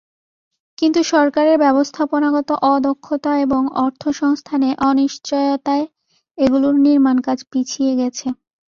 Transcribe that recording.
কিন্তু সরকারের ব্যবস্থাপনাগত অদক্ষতা এবং অর্থ সংস্থানে অনিশ্চয়তায় এগুলোর নির্মাণকাজ পিছিয়ে গেছে।